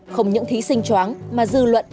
không những thí sinh chóng mà dư luận